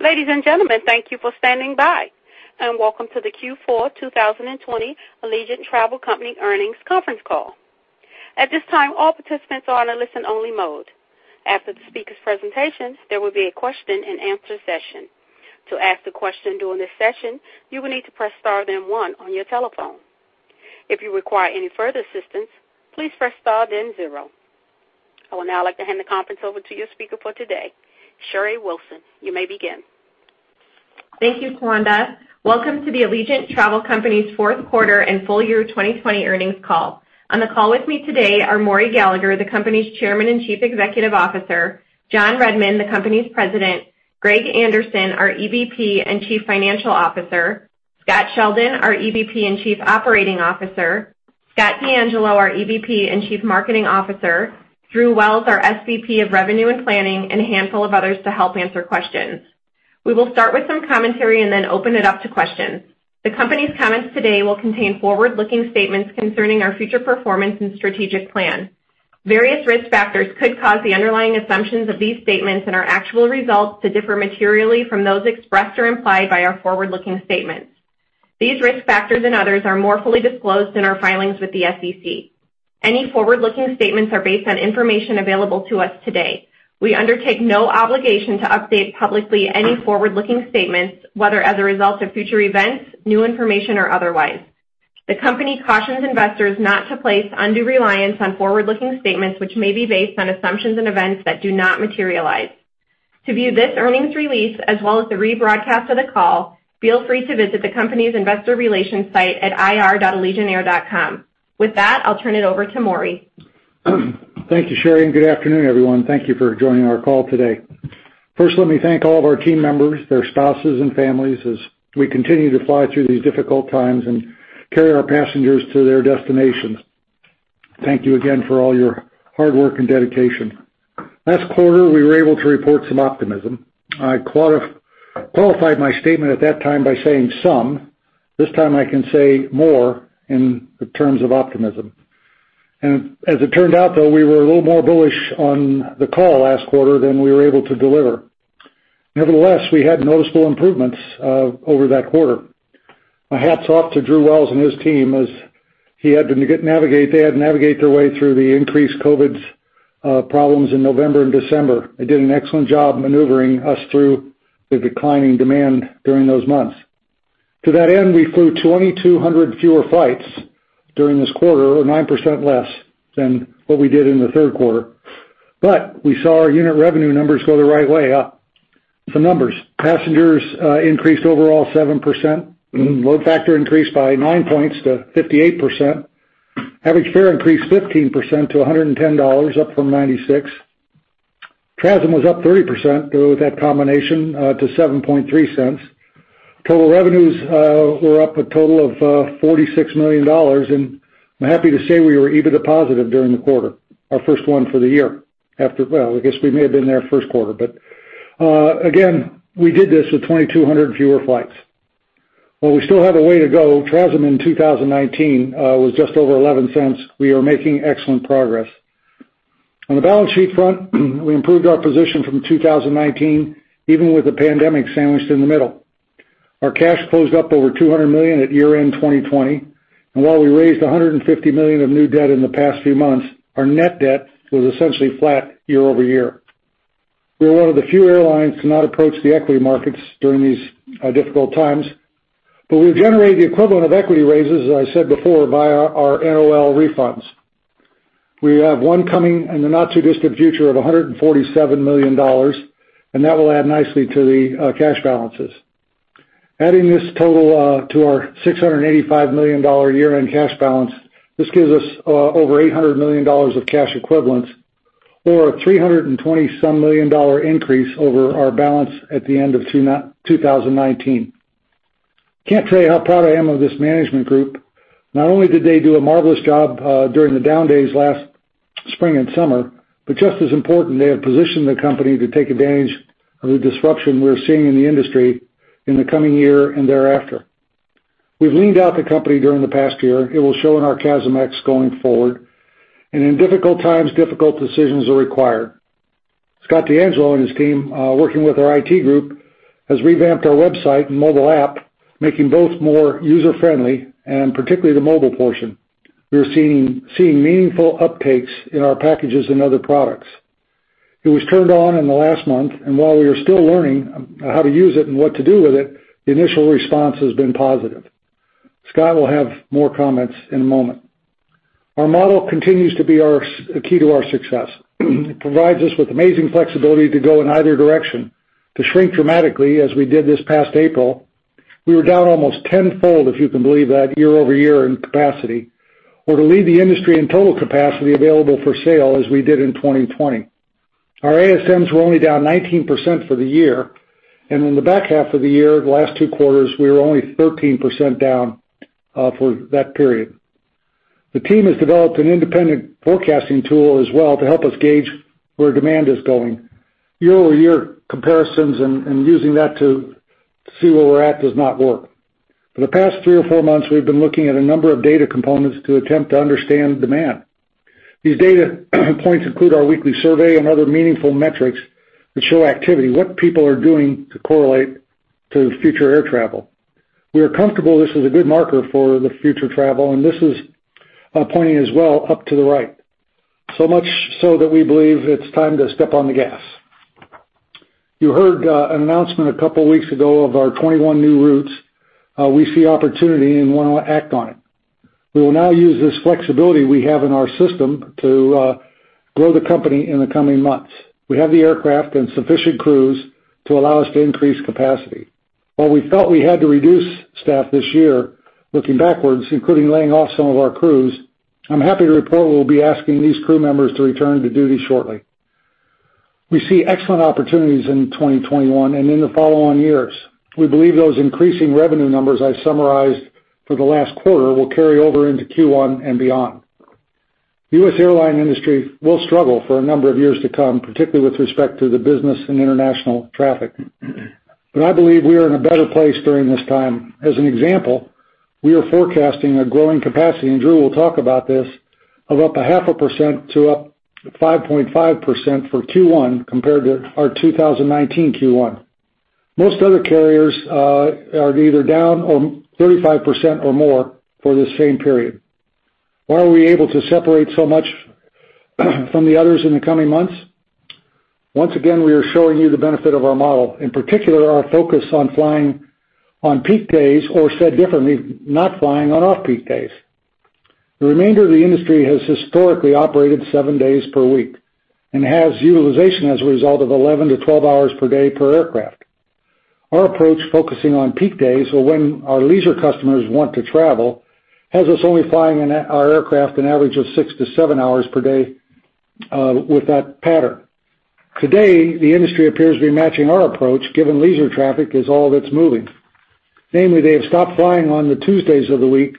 Ladies and gentlemen, thank you for standing by, and welcome to the Q4 2020 Allegiant Travel Company Earnings Conference Call. At this time, all participants are in a listen-only mode. After the speakers' presentations, there will be a question and answer session. To ask a question during this session, you will need to press star then one on your telephone. If you require any further assistance, please press star then zero. I would now like to hand the conference over to your speaker for today, Sherry Wilson. You may begin. Thank you, Kunda. Welcome to the Allegiant Travel Company's fourth quarter and full year 2020 earnings call. On the call with me today are Maurice Gallagher, the company's Chairman and Chief Executive Officer, John Redmond, the company's President, Greg Anderson, our EVP and Chief Financial Officer, Scott Sheldon, our EVP and Chief Operating Officer, Scott DeAngelo, our EVP and Chief Marketing Officer, Drew Wells, our SVP of Revenue and Planning, and a handful of others to help answer questions. We will start with some commentary and then open it up to questions. The company's comments today will contain forward-looking statements concerning our future performance and strategic plan. Various risk factors could cause the underlying assumptions of these statements and our actual results to differ materially from those expressed or implied by our forward-looking statements. These risk factors and others are more fully disclosed in our filings with the SEC. Any forward-looking statements are based on information available to us today. We undertake no obligation to update publicly any forward-looking statements, whether as a result of future events, new information, or otherwise. The company cautions investors not to place undue reliance on forward-looking statements, which may be based on assumptions and events that do not materialize. To view this earnings release, as well as the rebroadcast of the call, feel free to visit the company's investor relations site at ir.allegiantair.com. With that, I'll turn it over to Maurice. Thank you, Sherry, and good afternoon, everyone. Thank you for joining our call today. First, let me thank all of our team members, their spouses, and families as we continue to fly through these difficult times and carry our passengers to their destinations. Thank you again for all your hard work and dedication. Last quarter, we were able to report some optimism. I qualified my statement at that time by saying some. This time I can say more in the terms of optimism. As it turned out, though, we were a little more bullish on the call last quarter than we were able to deliver. Nevertheless, we had noticeable improvements over that quarter. My hats off to Drew Wells and his team, as they had to navigate their way through the increased COVID problems in November and December, did an excellent job maneuvering us through the declining demand during those months. To that end, we flew 2,200 fewer flights during this quarter, or 9% less than what we did in the third quarter. We saw our unit revenue numbers go the right way, up. Some numbers, passengers increased overall 7%. Load factor increased by nine points to 58%. Average fare increased 15% to $110, up from $96. TRASM was up 30% with that combination to $0.073. Total revenues were up a total of $46 million, and I'm happy to say we were EBITDA positive during the quarter, our first one for the year. Well, I guess we may have been there first quarter. Again, we did this with 2,200 fewer flights. While we still have a way to go, TRASM in 2019 was just over $0.11, we are making excellent progress. On the balance sheet front, we improved our position from 2019, even with the pandemic sandwiched in the middle. Our cash closed up over $200 million at year-end 2020, and while we raised $150 million of new debt in the past few months, our net debt was essentially flat year-over-year. We were one of the few airlines to not approach the equity markets during these difficult times, we've generated the equivalent of equity raises, as I said before, via our NOL refunds. We have one coming in the not-too-distant future of $147 million, that will add nicely to the cash balances. Adding this total to our $685 million year-end cash balance, this gives us over $800 million of cash equivalents or a $320-some million increase over our balance at the end of 2019. Can't tell you how proud I am of this management group. Not only did they do a marvelous job during the down days last spring and summer, just as important, they have positioned the company to take advantage of the disruption we're seeing in the industry in the coming year and thereafter. We've leaned out the company during the past year. It will show in our CASM-ex going forward. In difficult times, difficult decisions are required. Scott DeAngelo and his team, working with our IT group, has revamped our website and mobile app, making both more user-friendly, particularly the mobile portion. We are seeing meaningful uptakes in our packages and other products. It was turned on in the last month, and while we are still learning how to use it and what to do with it, the initial response has been positive. Scott will have more comments in a moment. Our model continues to be a key to our success. It provides us with amazing flexibility to go in either direction. To shrink dramatically as we did this past April, we were down almost tenfold, if you can believe that, year-over-year in capacity. To lead the industry in total capacity available for sale as we did in 2020. Our ASMs were only down 19% for the year, and in the back half of the year, the last two quarters, we were only 13% down for that period. The team has developed an independent forecasting tool as well to help us gauge where demand is going. Year-over-year comparisons and using that to see where we're at does not work. For the past three or four months, we've been looking at a number of data components to attempt to understand demand. These data points include our weekly survey and other meaningful metrics that show activity, what people are doing to correlate to future air travel. We are comfortable this is a good marker for the future travel, and this is pointing as well up to the right, so much so that we believe it's time to step on the gas. You heard an announcement a couple of weeks ago of our 21 new routes. We see opportunity and we want to act on it. We will now use this flexibility we have in our system to grow the company in the coming months. We have the aircraft and sufficient crews to allow us to increase capacity. While we felt we had to reduce staff this year, looking backwards, including laying off some of our crews, I'm happy to report we'll be asking these crew members to return to duty shortly. We see excellent opportunities in 2021 and in the follow-on years. We believe those increasing revenue numbers I summarized for the last quarter will carry over into Q1 and beyond. U.S. airline industry will struggle for a number of years to come, particularly with respect to the business and international traffic. I believe we are in a better place during this time. As an example, we are forecasting a growing capacity, and Drew will talk about this, of up a half a percent to up 5.5% for Q1 compared to our 2019 Q1. Most other carriers are either down or 35% or more for the same period. Why are we able to separate so much from the others in the coming months? Once again, we are showing you the benefit of our model, in particular our focus on flying on peak days or, said differently, not flying on off-peak days. The remainder of the industry has historically operated seven days per week and has utilization as a result of 11-12 hours per day per aircraft. Our approach, focusing on peak days or when our leisure customers want to travel, has us only flying our aircraft an average of 6-7 hours per day with that pattern. Today, the industry appears to be matching our approach, given leisure traffic is all that's moving. Namely, they have stopped flying on the Tuesdays of the week.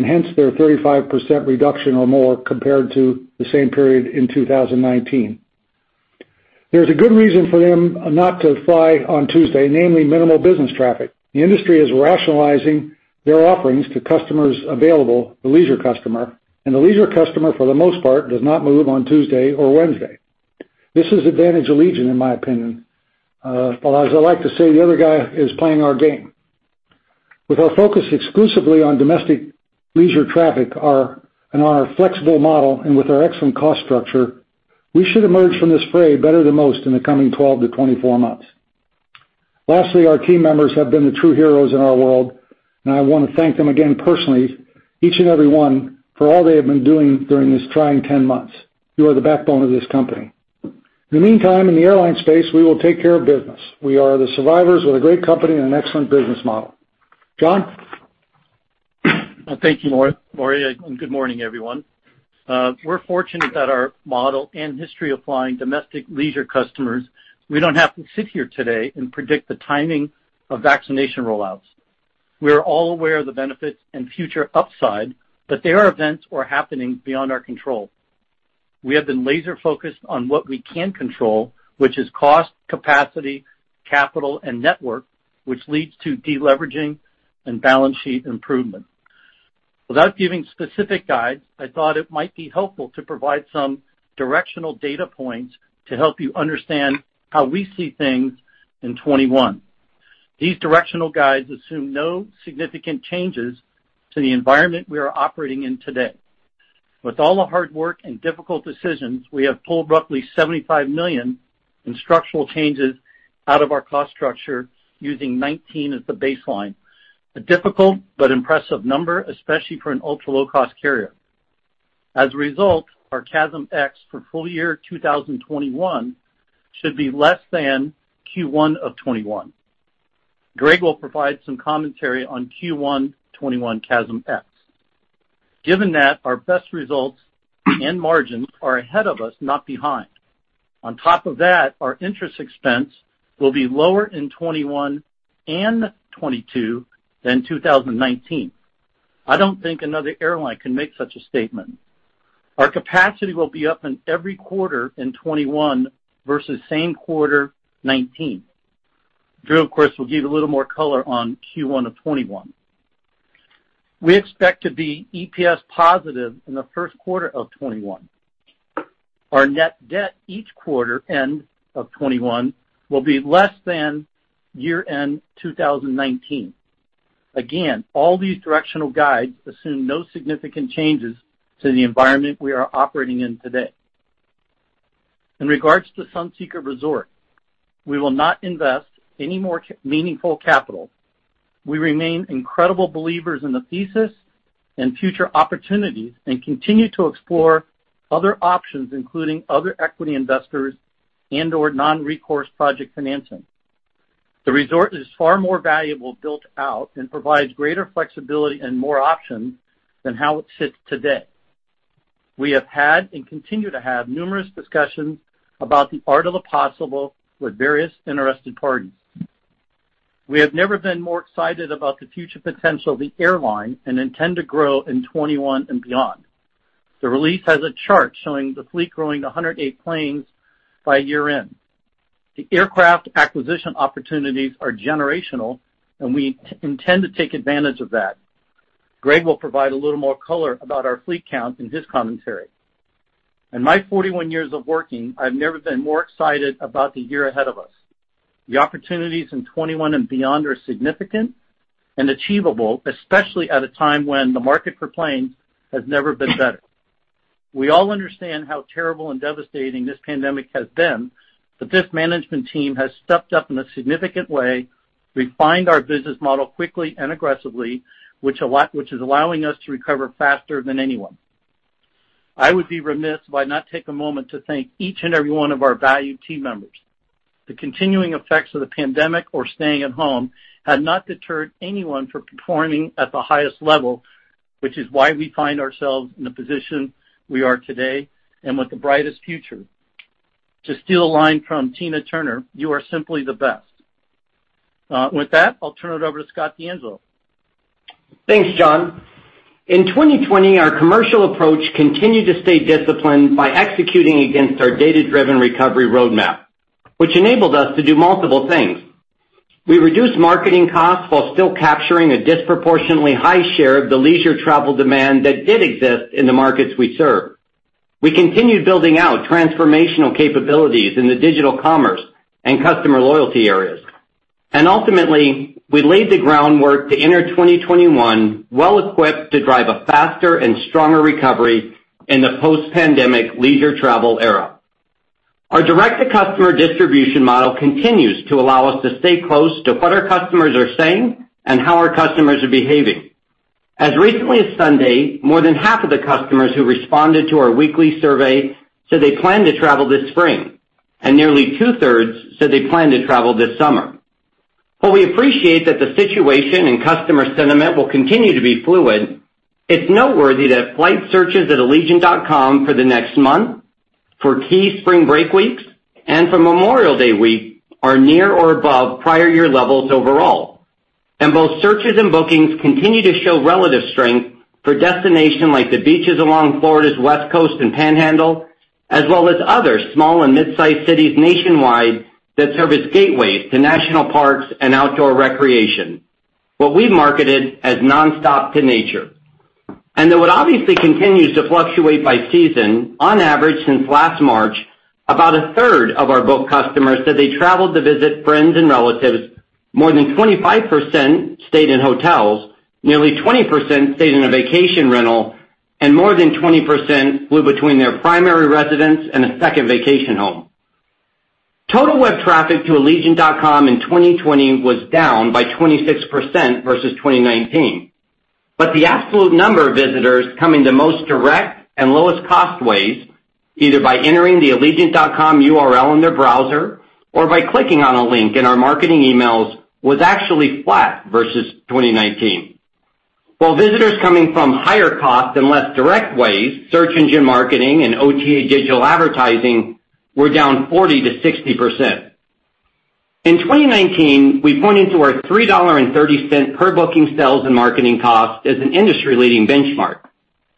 Hence their 35% reduction or more compared to the same period in 2019. There's a good reason for them not to fly on Tuesday, namely minimal business traffic. The industry is rationalizing their offerings to customers available, the leisure customer, and the leisure customer, for the most part, does not move on Tuesday or Wednesday. This is advantage Allegiant, in my opinion. As I like to say, the other guy is playing our game. With our focus exclusively on domestic leisure traffic and on our flexible model and with our excellent cost structure, we should emerge from this fray better than most in the coming 12-24 months. Lastly, our team members have been the true heroes in our world, and I want to thank them again personally, each and every one, for all they have been doing during these trying 10 months. You are the backbone of this company. In the meantime, in the airline space, we will take care of business. We are the survivors with a great company and an excellent business model. John? Thank you, Maurice. Good morning, everyone. We're fortunate that our model and history of flying domestic leisure customers, we don't have to sit here today and predict the timing of vaccination rollouts. There are events that are happening beyond our control. We are all aware of the benefits and future upside. We have been laser-focused on what we can control, which is cost, capacity, capital, and network, which leads to deleveraging and balance sheet improvement. Without giving specific guides, I thought it might be helpful to provide some directional data points to help you understand how we see things in 2021. These directional guides assume no significant changes to the environment we are operating in today. With all the hard work and difficult decisions, we have pulled roughly $75 million in structural changes out of our cost structure using 2019 as the baseline. A difficult but impressive number, especially for an ultra-low-cost carrier. As a result, our CASM-ex for full year 2021 should be less than Q1 2021. Greg will provide some commentary on Q1 2021 CASM-ex. Given that our best results and margins are ahead of us, not behind. Our interest expense will be lower in 2021 and 2022 than 2019. I don't think another airline can make such a statement. Our capacity will be up in every quarter in 2021 versus same quarter 2019. Drew, of course, will give a little more color on Q1 2021. We expect to be EPS positive in the first quarter of 2021. Our net debt each quarter end of 2021 will be less than year-end 2019. All these directional guides assume no significant changes to the environment we are operating in today. In regards to Sunseeker Resort, we will not invest any more meaningful capital. We remain incredible believers in the thesis and future opportunities and continue to explore other options, including other equity investors and/or non-recourse project financing. The resort is far more valuable built out and provides greater flexibility and more options than how it sits today. We have had and continue to have numerous discussions about the art of the possible with various interested parties. We have never been more excited about the future potential of the airline and intend to grow in 2021 and beyond. The release has a chart showing the fleet growing to 108 planes by year-end. The aircraft acquisition opportunities are generational, and we intend to take advantage of that. Greg will provide a little more color about our fleet count in his commentary. In my 41 years of working, I've never been more excited about the year ahead of us. The opportunities in 2021 and beyond are significant and achievable, especially at a time when the market for planes has never been better. We all understand how terrible and devastating this pandemic has been, but this management team has stepped up in a significant way, refined our business model quickly and aggressively, which is allowing us to recover faster than anyone. I would be remiss by not taking a moment to thank each and every one of our valued team members. The continuing effects of the pandemic or staying at home have not deterred anyone from performing at the highest level, which is why we find ourselves in the position we are today and with the brightest future. To steal a line from Tina Turner, you are simply the best. With that, I'll turn it over to Scott DeAngelo. Thanks, John. In 2020, our commercial approach continued to stay disciplined by executing against our data-driven recovery roadmap, which enabled us to do multiple things. We reduced marketing costs while still capturing a disproportionately high share of the leisure travel demand that did exist in the markets we serve. We continued building out transformational capabilities in the digital commerce and customer loyalty areas. Ultimately, we laid the groundwork to enter 2021 well-equipped to drive a faster and stronger recovery in the post-pandemic leisure travel era. Our direct-to-customer distribution model continues to allow us to stay close to what our customers are saying and how our customers are behaving. As recently as Sunday, more than half of the customers who responded to our weekly survey said they plan to travel this spring, and nearly two-thirds said they plan to travel this summer. While we appreciate that the situation and customer sentiment will continue to be fluid, it's noteworthy that flight searches at allegiant.com for the next month, for key spring break weeks, and for Memorial Day week are near or above prior year levels overall. Both searches and bookings continue to show relative strength for destinations like the beaches along Florida's West Coast and Panhandle, as well as other small and midsize cities nationwide that serve as gateways to national parks and outdoor recreation, what we've marketed as Nonstop to Nature. Though it obviously continues to fluctuate by season, on average since last March, about a third of our booked customers said they traveled to visit friends and relatives, more than 25% stayed in hotels, nearly 20% stayed in a vacation rental, and more than 20% flew between their primary residence and a second vacation home. Total web traffic to allegiant.com in 2020 was down by 26% versus 2019. But the absolute number of visitors coming the most direct and lowest cost ways, either by entering the allegiant.com URL in their browser or by clicking on a link in our marketing emails, was actually flat versus 2019. While visitors coming from higher cost and less direct ways, search engine marketing and OTA digital advertising, were down 40%-60%. In 2019, we pointed to our $3.30 per booking sales and marketing cost as an industry-leading benchmark.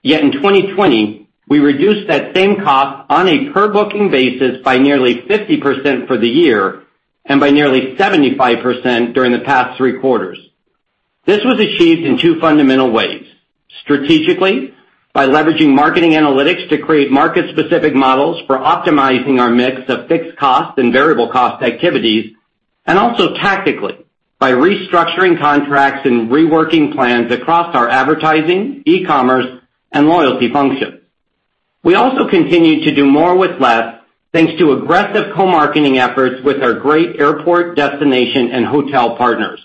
Yet in 2020, we reduced that same cost on a per-booking basis by nearly 50% for the year and by nearly 75% during the past three quarters. This was achieved in two fundamental ways: strategically, by leveraging marketing analytics to create market-specific models for optimizing our mix of fixed cost and variable cost activities, and also tactically, by restructuring contracts and reworking plans across our advertising, e-commerce, and loyalty functions. We also continued to do more with less, thanks to aggressive co-marketing efforts with our great airport destination and hotel partners.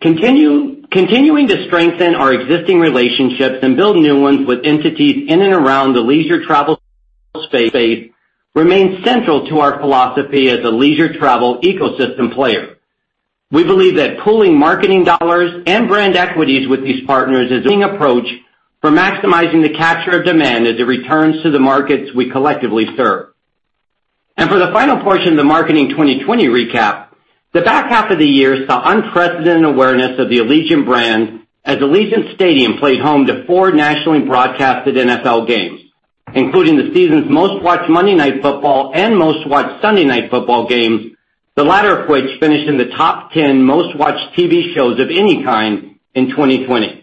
Continuing to strengthen our existing relationships and build new ones with entities in and around the leisure travel space remains central to our philosophy as a leisure travel ecosystem player. We believe that pooling marketing dollars and brand equities with these partners is the winning approach for maximizing the capture of demand as it returns to the markets we collectively serve. For the final portion of the marketing 2020 recap, the back half of the year saw unprecedented awareness of the Allegiant brand as Allegiant Stadium played home to four nationally broadcasted NFL games, including the season's most-watched Monday Night Football and most-watched Sunday Night Football games, the latter of which finished in the top 10 most-watched TV shows of any kind in 2020.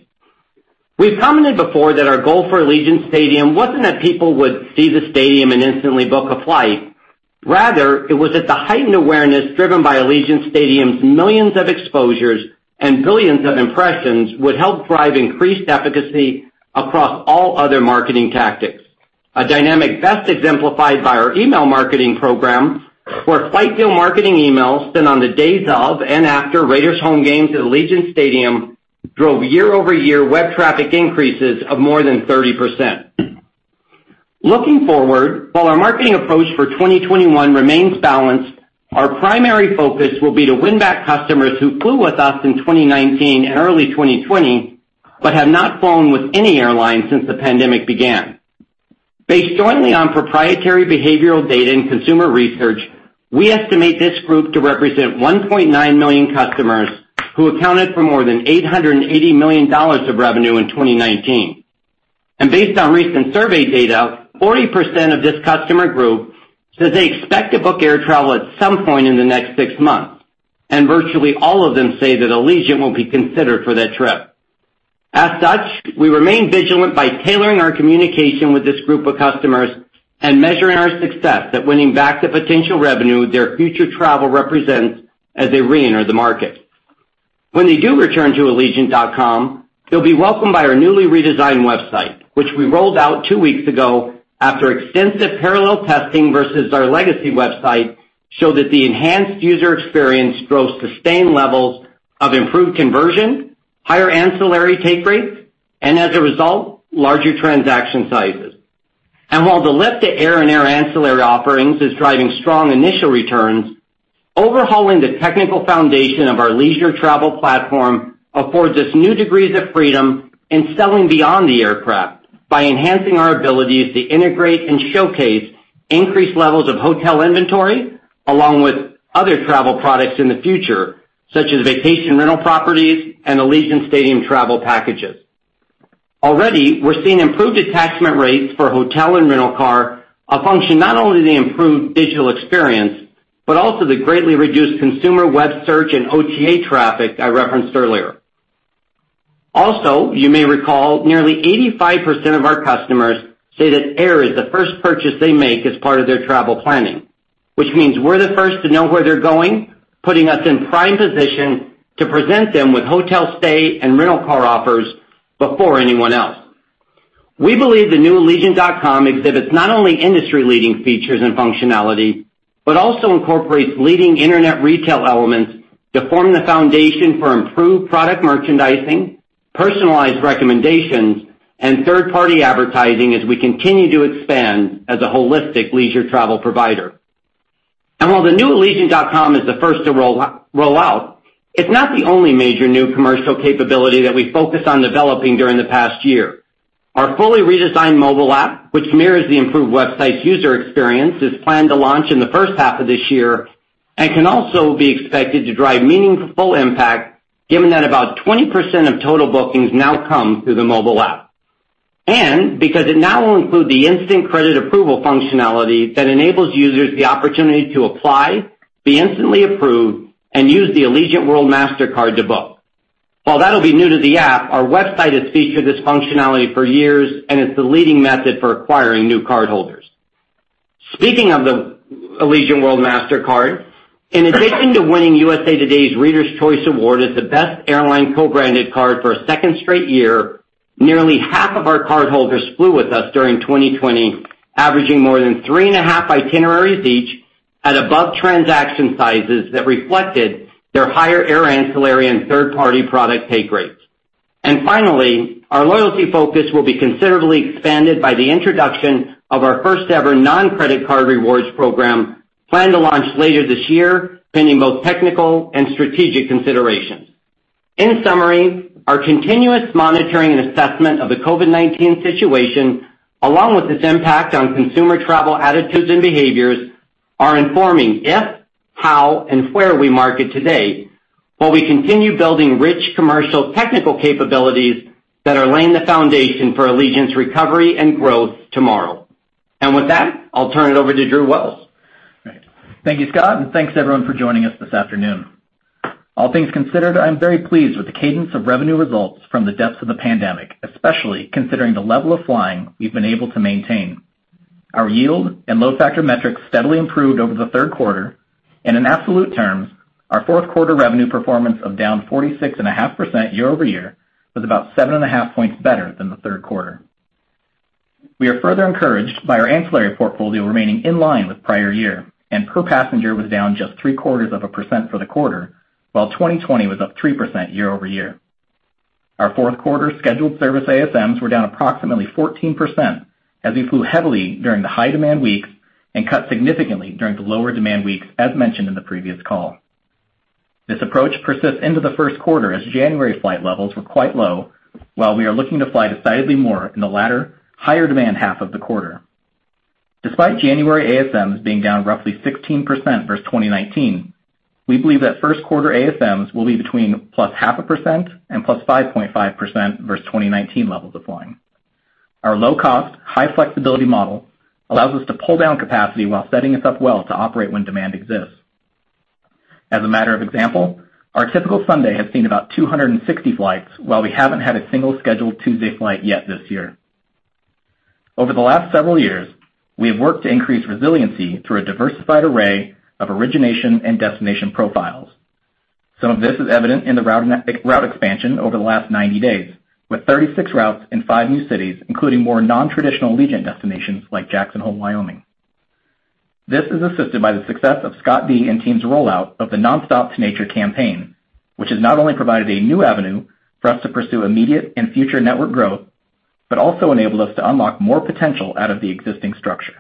We've commented before that our goal for Allegiant Stadium wasn't that people would see the stadium and instantly book a flight. Rather, it was that the heightened awareness driven by Allegiant Stadium's millions of exposures and billions of impressions would help drive increased efficacy across all other marketing tactics. A dynamic best exemplified by our email marketing program, where flight deal marketing emails sent on the days of and after Raiders home games at Allegiant Stadium drove year-over-year web traffic increases of more than 30%. Looking forward, while our marketing approach for 2021 remains balanced, our primary focus will be to win back customers who flew with us in 2019 and early 2020, but have not flown with any airline since the pandemic began. Based jointly on proprietary behavioral data and consumer research, we estimate this group to represent 1.9 million customers who accounted for more than $880 million of revenue in 2019. Based on recent survey data, 40% of this customer group says they expect to book air travel at some point in the next six months, and virtually all of them say that Allegiant will be considered for that trip. As such, we remain vigilant by tailoring our communication with this group of customers and measuring our success at winning back the potential revenue their future travel represents as they reenter the market. When they do return to allegiant.com, they'll be welcomed by our newly redesigned website, which we rolled out two weeks ago after extensive parallel testing versus our legacy website, show that the enhanced user experience drove sustained levels of improved conversion, higher ancillary take rates, and as a result, larger transaction sizes. While the lift to air and air ancillary offerings is driving strong initial returns, overhauling the technical foundation of our leisure travel platform affords us new degrees of freedom in selling beyond the aircraft by enhancing our abilities to integrate and showcase increased levels of hotel inventory, along with other travel products in the future, such as vacation rental properties and Allegiant Stadium travel packages. Already, we're seeing improved attachment rates for hotel and rental car, a function not only the improved digital experience, but also the greatly reduced consumer web search and OTA traffic I referenced earlier. Also, you may recall nearly 85% of our customers say that air is the first purchase they make as part of their travel planning, which means we're the first to know where they're going, putting us in prime position to present them with hotel stay and rental car offers before anyone else. We believe the new allegiant.com exhibits not only industry-leading features and functionality, but also incorporates leading internet retail elements to form the foundation for improved product merchandising, personalized recommendations, and third-party advertising as we continue to expand as a holistic leisure travel provider. While the new allegiant.com is the first to roll out, it's not the only major new commercial capability that we focused on developing during the past year. Our fully redesigned mobile app, which mirrors the improved website's user experience, is planned to launch in the first half of this year and can also be expected to drive meaningful impact given that about 20% of total bookings now come through the mobile app. Because it now will include the instant credit approval functionality that enables users the opportunity to apply, be instantly approved, and use the Allegiant World Mastercard to book. While that'll be new to the app, our website has featured this functionality for years, and it's the leading method for acquiring new cardholders. Speaking of the Allegiant World Mastercard, in addition to winning USA Today's Readers' Choice Award as the best airline co-branded card for a second straight year, nearly half of our cardholders flew with us during 2020, averaging more than three and a half itineraries each at above transaction sizes that reflected their higher air ancillary and third-party product take rates. Finally, our loyalty focus will be considerably expanded by the introduction of our first-ever non-credit card rewards program planned to launch later this year pending both technical and strategic considerations. In summary, our continuous monitoring and assessment of the COVID-19 situation, along with its impact on consumer travel attitudes and behaviors, are informing if, how, and where we market today while we continue building rich commercial technical capabilities that are laying the foundation for Allegiant's recovery and growth tomorrow. With that, I'll turn it over to Drew Wells. Great. Thank you, Scott, and thanks everyone for joining us this afternoon. All things considered, I'm very pleased with the cadence of revenue results from the depths of the pandemic, especially considering the level of flying we've been able to maintain. Our yield and load factor metrics steadily improved over the third quarter, and in absolute terms, our fourth quarter revenue performance of down 46.5% year-over-year was about 7.5 points better than the third quarter. We are further encouraged by our ancillary portfolio remaining in line with prior year, and per passenger was down just three-quarters of a percent for the quarter while 2020 was up 3% year-over-year. Our fourth quarter scheduled service ASMs were down approximately 14% as we flew heavily during the high-demand weeks and cut significantly during the lower-demand weeks, as mentioned in the previous call. This approach persists into the first quarter as January flight levels were quite low, while we are looking to fly decidedly more in the latter higher-demand half of the quarter. Despite January ASMs being down roughly 16% versus 2019, we believe that first quarter ASMs will be between +0.5% and +5.5% versus 2019 levels of flying. Our low cost, high flexibility model allows us to pull down capacity while setting us up well to operate when demand exists. As a matter of example, our typical Sunday has seen about 260 flights while we haven't had a single scheduled Tuesday flight yet this year. Over the last several years, we have worked to increase resiliency through a diversified array of origination and destination profiles. Some of this is evident in the route expansion over the last 90 days, with 36 routes in five new cities, including more non-traditional Allegiant destinations like Jackson Hole, Wyoming. This is assisted by the success of Scott D. and team's rollout of the Nonstop to Nature campaign, which has not only provided a new avenue for us to pursue immediate and future network growth, but also enabled us to unlock more potential out of the existing structure.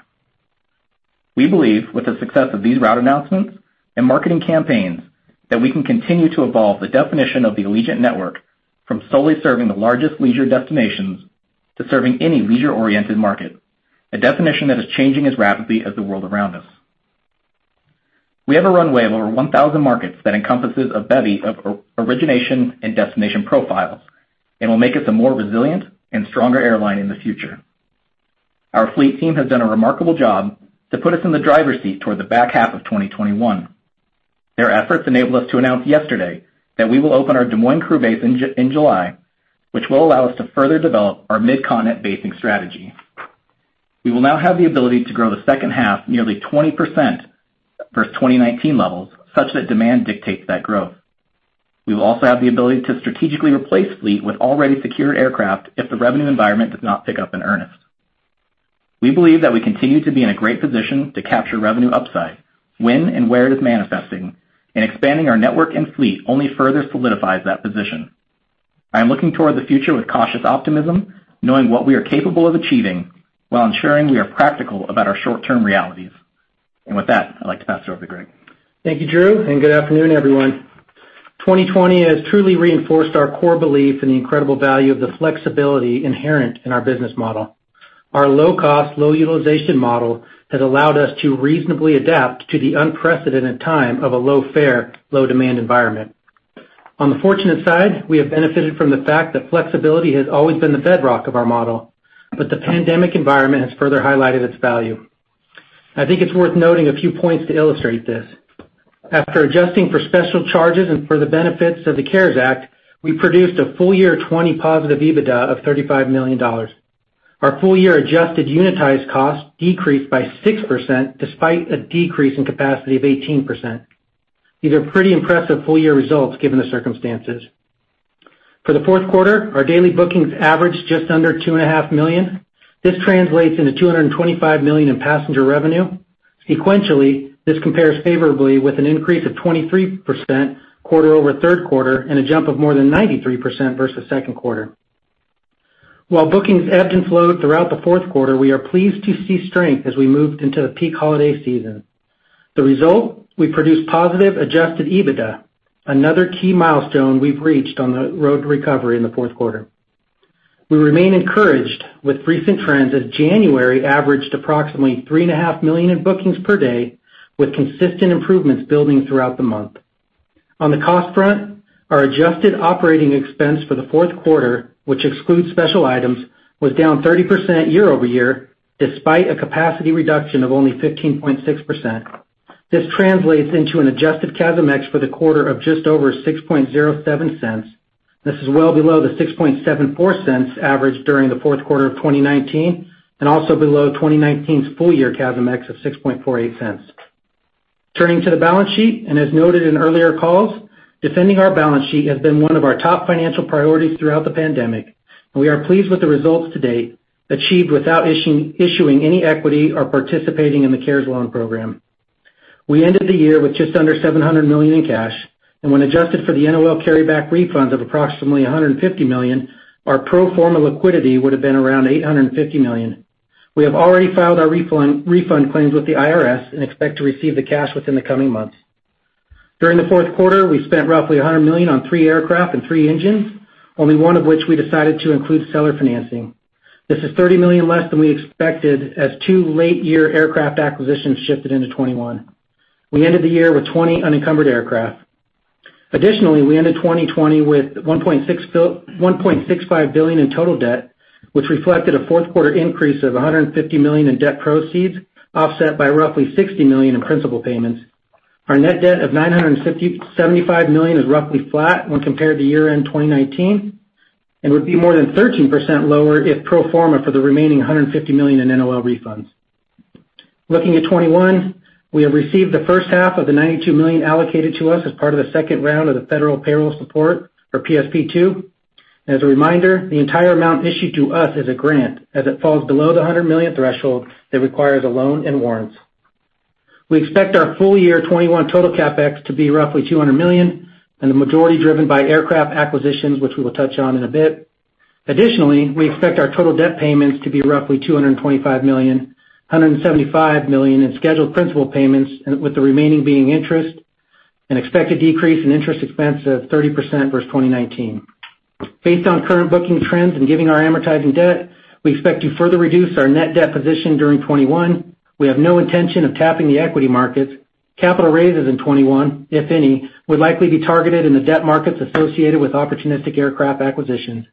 We believe with the success of these route announcements and marketing campaigns that we can continue to evolve the definition of the Allegiant network from solely serving the largest leisure destinations to serving any leisure-oriented market, a definition that is changing as rapidly as the world around us. We have a runway of over 1,000 markets that encompasses a bevy of origination and destination profiles and will make us a more resilient and stronger airline in the future. Our fleet team has done a remarkable job to put us in the driver's seat toward the back half of 2021. Their efforts enabled us to announce yesterday that we will open our Des Moines crew base in July, which will allow us to further develop our mid-continent basing strategy. We will now have the ability to grow the second half nearly 20% versus 2019 levels, such that demand dictates that growth. We will also have the ability to strategically replace fleet with already secured aircraft if the revenue environment does not pick up in earnest. We believe that we continue to be in a great position to capture revenue upside when and where it is manifesting. Expanding our network and fleet only further solidifies that position. I am looking toward the future with cautious optimism, knowing what we are capable of achieving while ensuring we are practical about our short-term realities. With that, I'd like to pass it over to Greg. Thank you, Drew. Good afternoon, everyone. 2020 has truly reinforced our core belief in the incredible value of the flexibility inherent in our business model. Our low-cost, low-utilization model has allowed us to reasonably adapt to the unprecedented time of a low-fare, low-demand environment. On the fortunate side, we have benefited from the fact that flexibility has always been the bedrock of our model, but the pandemic environment has further highlighted its value. I think it's worth noting a few points to illustrate this. After adjusting for special charges and for the benefits of the CARES Act, we produced a full-year 2020 positive EBITDA of $35 million. Our full-year adjusted unitized cost decreased by 6% despite a decrease in capacity of 18%. These are pretty impressive full-year results given the circumstances. For the fourth quarter, our daily bookings averaged just under $2.5 million. This translates into $225 million in passenger revenue. Sequentially, this compares favorably with an increase of 23% quarter over third quarter and a jump of more than 93% versus second quarter. While bookings ebbed and flowed throughout the fourth quarter, we are pleased to see strength as we moved into the peak holiday season. The result, we produced positive adjusted EBITDA, another key milestone we've reached on the road to recovery in the fourth quarter. We remain encouraged with recent trends as January averaged approximately three and a half million in bookings per day, with consistent improvements building throughout the month. On the cost front, our adjusted operating expense for the fourth quarter, which excludes special items, was down 30% year-over-year, despite a capacity reduction of only 15.6%. This translates into an adjusted CASM-ex for the quarter of just over $0.0607. This is well below $0.0674 averaged during the fourth quarter of 2019 and also below 2019's full-year CASM-ex of $0.0648. Turning to the balance sheet, and as noted in earlier calls, defending our balance sheet has been one of our top financial priorities throughout the pandemic, and we are pleased with the results to date, achieved without issuing any equity or participating in the CARES loan program. We ended the year with just under $700 million in cash, and when adjusted for the NOL carryback refunds of approximately $150 million, our pro forma liquidity would have been around $850 million. We have already filed our refund claims with the IRS and expect to receive the cash within the coming months. During the fourth quarter, we spent roughly $100 million on three aircraft and three engines, only one of which we decided to include seller financing. This is $30 million less than we expected as two late-year aircraft acquisitions shifted into 2021. We ended the year with 20 unencumbered aircraft. Additionally, we ended 2020 with $1.65 billion in total debt, which reflected a fourth-quarter increase of $150 million in debt proceeds, offset by roughly $60 million in principal payments. Our net debt of $975 million is roughly flat when compared to year-end 2019 and would be more than 13% lower if pro forma for the remaining $150 million in NOL refunds. Looking at 2021, we have received the first half of the $92 million allocated to us as part of the second round of the federal payroll support for PSP2. As a reminder, the entire amount issued to us is a grant as it falls below the $100 million threshold that requires a loan and warrants. We expect our full-year 2021 total CapEx to be roughly $200 million, the majority driven by aircraft acquisitions, which we will touch on in a bit. Additionally, we expect our total debt payments to be roughly $225 million, $175 million in scheduled principal payments, with the remaining being interest, an expected decrease in interest expense of 30% versus 2019. Based on current booking trends and given our amortizing debt, we expect to further reduce our net debt position during 2021. We have no intention of tapping the equity markets. Capital raises in 2021, if any, would likely be targeted in the debt markets associated with opportunistic aircraft acquisitions.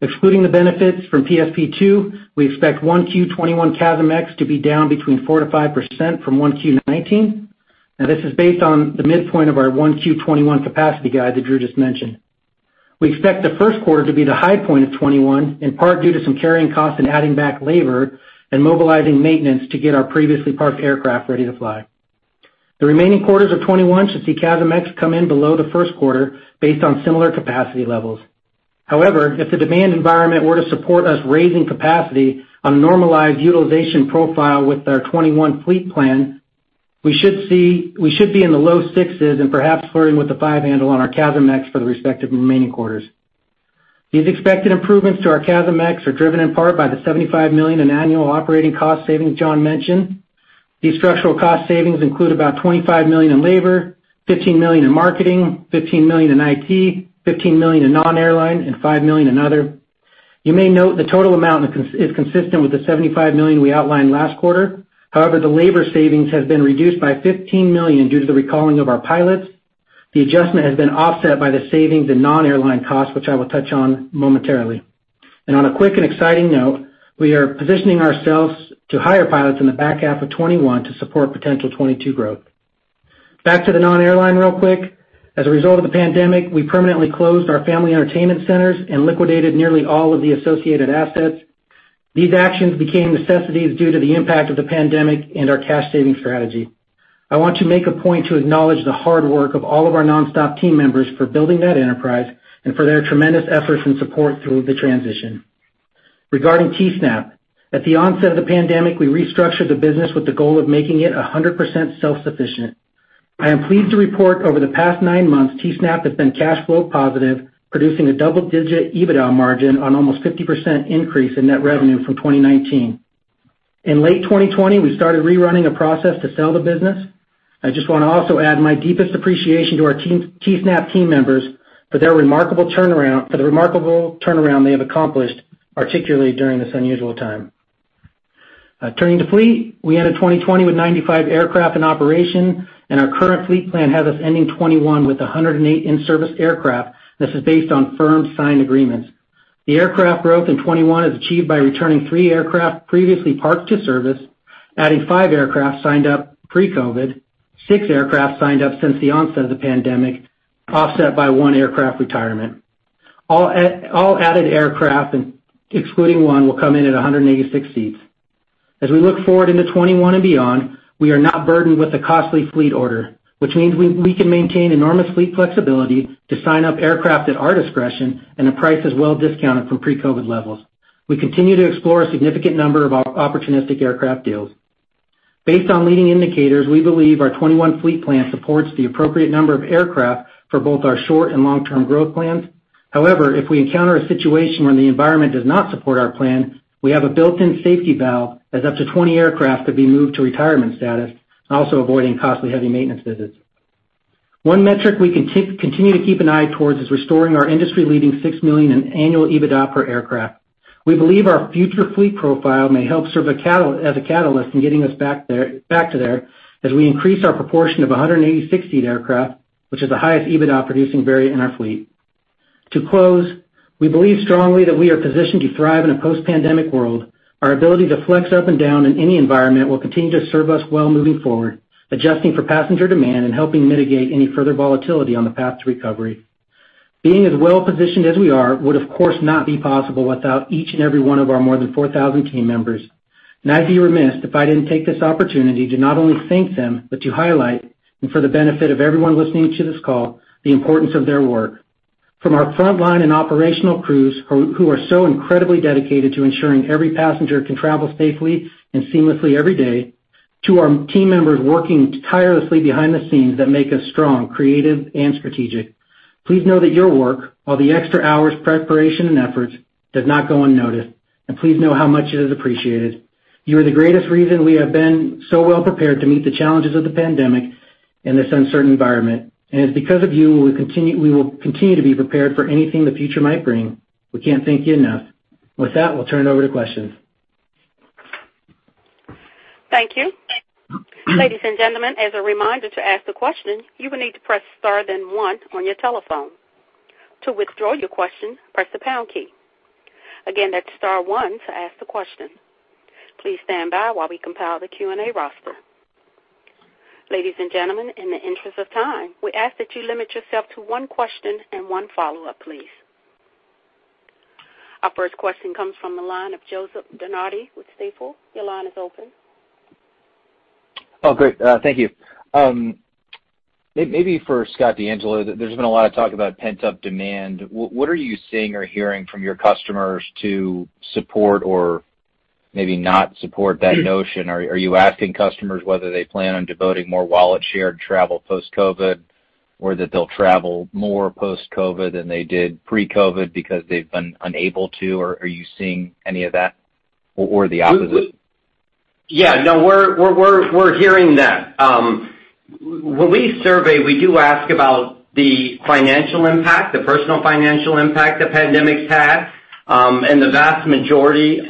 Excluding the benefits from PSP2, we expect 1Q21 CASM-ex to be down between 4%-5% from 1Q19, this is based on the midpoint of our 1Q21 capacity guide that Drew just mentioned. We expect the first quarter to be the high point of 2021, in part due to some carrying costs and adding back labor and mobilizing maintenance to get our previously parked aircraft ready to fly. The remaining quarters of 2021 should see CASM-ex come in below the first quarter based on similar capacity levels. However, if the demand environment were to support us raising capacity on a normalized utilization profile with our 2021 fleet plan, we should be in the low sixes and perhaps flirting with the five handle on our CASM-ex for the respective remaining quarters. These expected improvements to our CASM-ex are driven in part by the $75 million in annual operating cost savings John mentioned. These structural cost savings include about $25 million in labor, $15 million in marketing, $15 million in IT, $15 million in non-airline, and $5 million in other. You may note the total amount is consistent with the $75 million we outlined last quarter. The labor savings has been reduced by $15 million due to the recalling of our pilots. The adjustment has been offset by the savings in non-airline costs, which I will touch on momentarily. On a quick and exciting note, we are positioning ourselves to hire pilots in the back half of 2021 to support potential 2022 growth. Back to the non-airline real quick. As a result of the pandemic, we permanently closed our family entertainment centers and liquidated nearly all of the associated assets. These actions became necessities due to the impact of the pandemic and our cost-saving strategy. I want to make a point to acknowledge the hard work of all of our Nonstop team members for building that enterprise and for their tremendous efforts and support through the transition. Regarding Teesnap. At the onset of the pandemic, we restructured the business with the goal of making it 100% self-sufficient. I am pleased to report over the past nine months, Teesnap has been cash flow positive, producing a double-digit EBITDA margin on almost 50% increase in net revenue from 2019. In late 2020, we started rerunning a process to sell the business. I just want to also add my deepest appreciation to our Teesnap team members for the remarkable turnaround they have accomplished, particularly during this unusual time. Turning to fleet, we ended 2020 with 95 aircraft in operation, and our current fleet plan has us ending 2021 with 108 in-service aircraft. This is based on firm signed agreements. The aircraft growth in 2021 is achieved by returning three aircraft previously parked to service, adding five aircraft signed up pre-COVID, 6 aircraft signed up since the onset of the pandemic, offset by one aircraft retirement. All added aircraft, excluding one, will come in at 186 seats. As we look forward into 2021 and beyond, we are not burdened with a costly fleet order, which means we can maintain enormous fleet flexibility to sign up aircraft at our discretion and at prices well-discounted from pre-COVID levels. We continue to explore a significant number of opportunistic aircraft deals. Based on leading indicators, we believe our 2021 fleet plan supports the appropriate number of aircraft for both our short and long-term growth plans. If we encounter a situation where the environment does not support our plan, we have a built-in safety valve as up to 20 aircraft could be moved to retirement status, also avoiding costly heavy maintenance visits. One metric we continue to keep an eye towards is restoring our industry-leading $6 million in annual EBITDA per aircraft. We believe our future fleet profile may help serve as a catalyst in getting us back to there as we increase our proportion of 186-seat aircraft, which is the highest EBITDA-producing variant in our fleet. To close, we believe strongly that we are positioned to thrive in a post-pandemic world. Our ability to flex up and down in any environment will continue to serve us well moving forward, adjusting for passenger demand and helping mitigate any further volatility on the path to recovery. Being as well-positioned as we are would, of course, not be possible without each and every one of our more than 4,000 team members. I'd be remiss if I didn't take this opportunity to not only thank them, but to highlight, and for the benefit of everyone listening to this call, the importance of their work. From our frontline and operational crews, who are so incredibly dedicated to ensuring every passenger can travel safely and seamlessly every day, to our team members working tirelessly behind the scenes that make us strong, creative, and strategic. Please know that your work, all the extra hours, preparation, and efforts, does not go unnoticed, and please know how much it is appreciated. You are the greatest reason we have been so well-prepared to meet the challenges of the pandemic in this uncertain environment, and it's because of you we will continue to be prepared for anything the future might bring. We can't thank you enough. With that, we'll turn it over to questions. Thank you. Ladies and gentlemen, as a reminder to ask the question, you will need to press star, then one on your telephone. To withdraw your question, press the pound key. Again, that's star one to ask the question. Please stand by while we compile the Q&A roster. Ladies and gentlemen, in the interest of time, we ask that you limit yourself to one question and one follow-up, please. Our first question comes from the line of Joseph DeNardi with Stifel. Your line is open. Oh, great. Thank you. Maybe for Scott DeAngelo, there's been a lot of talk about pent-up demand. What are you seeing or hearing from your customers to support or maybe not support that notion? Are you asking customers whether they plan on devoting more wallet share to travel post-COVID, or that they'll travel more post-COVID than they did pre-COVID because they've been unable to? Are you seeing any of that or the opposite? We're hearing that. When we survey, we do ask about the financial impact, the personal financial impact the pandemic's had, and the vast majority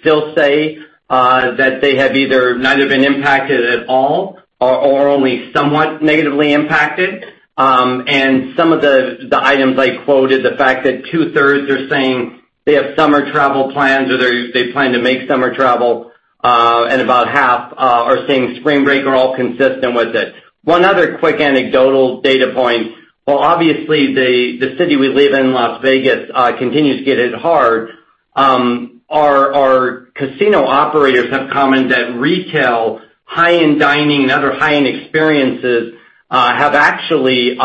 still say that they have either not have been impacted at all or are only somewhat negatively impacted. Some of the items I quoted, the fact that two-thirds are saying they have summer travel plans, or they plan to make summer travel, and about half are saying spring break are all consistent with it. One other quick anecdotal data point. While obviously the city we live in, Las Vegas, continues to get it hard, our casino operators have commented that retail, high-end dining, and other high-end experiences have actually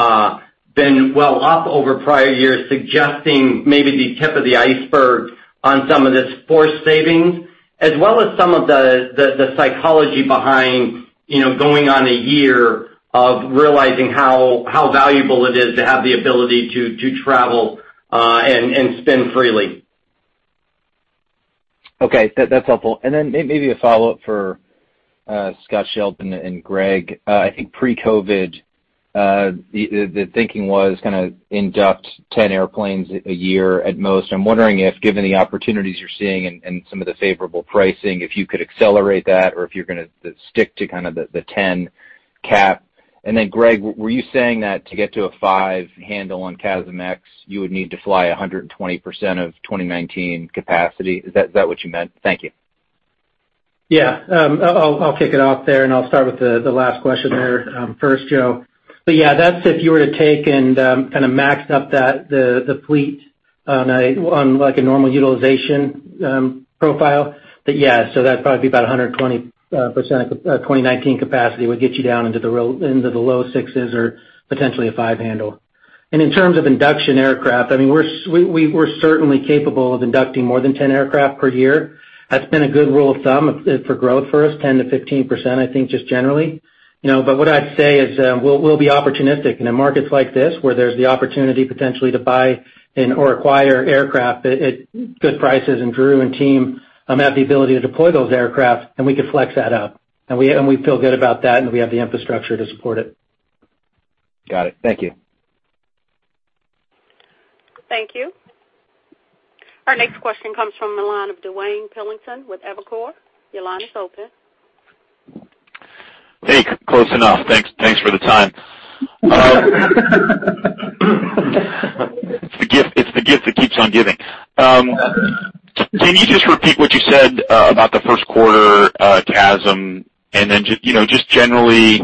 been well up over prior years, suggesting maybe the tip of the iceberg on some of this forced savings, as well as some of the psychology behind going on a year of realizing how valuable it is to have the ability to travel and spend freely. Okay. That's helpful. Maybe a follow-up for Scott Sheldon and Greg. I think pre-COVID, the thinking was kind of induct 10 airplanes a year at most. I'm wondering if, given the opportunities you're seeing and some of the favorable pricing, if you could accelerate that or if you're going to stick to the 10 cap. Greg, were you saying that to get to a five handle on CASM-ex, you would need to fly 120% of 2019 capacity? Is that what you meant? Thank you. Yeah. I'll kick it off there, I'll start with the last question there first, Joe. Yeah, that's if you were to take and kind of max up the fleet on a normal utilization profile. Yeah, that'd probably be about 120% of 2019 capacity would get you down into the low 6s or potentially a five handle. In terms of induction aircraft, we're certainly capable of inducting more than 10 aircraft per year. That's been a good rule of thumb for growth for us, 10%-15%, I think, just generally. What I'd say is, we'll be opportunistic in the markets like this, where there's the opportunity potentially to buy and/or acquire aircraft at good prices. Drew and team have the ability to deploy those aircraft, and we could flex that up. We feel good about that, and we have the infrastructure to support it. Got it. Thank you. Thank you. Our next question comes from the line of Duane Pfennigwerth with Evercore. Your line is open. Hey, close enough. Thanks for the time. It's the gift that keeps on giving. Can you just repeat what you said about the first quarter CASM and then just generally,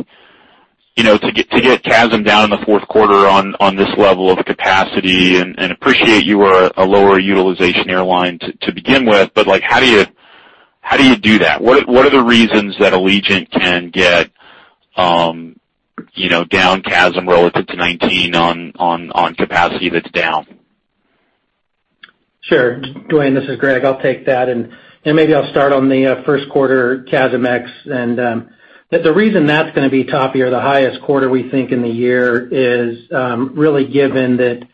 to get CASM down in the fourth quarter on this level of capacity, and appreciate you are a lower utilization airline to begin with, how do you do that? What are the reasons that Allegiant can get down CASM relative to 2019 on capacity that's down? Sure. Duane, this is Greg. I'll take that. Maybe I'll start on the first quarter CASM-ex. The reason that's going to be toppier, the highest quarter we think in the year is, really given that